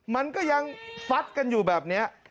มันก็ยังฟัดกันอยู่แบบนี้